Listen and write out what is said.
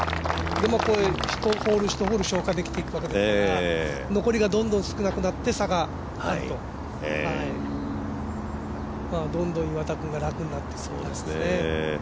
これ、１ホール１ホール消化できていくわけですから残りがどんどん少なくなって差があるとどんどん岩田君が楽になっていくんですね。